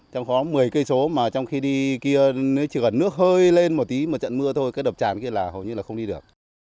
trong đó một mươi cây số mà trong khi đi kia nó chỉ cần nước hơi lên một tí mà trận mưa thôi cái đập tràn kia là hầu như là không đi được